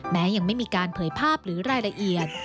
แม้ยังไม่มีการเผยภาพหรือรายละเอียด